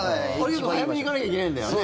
早めに行かなきゃいけないんだよね？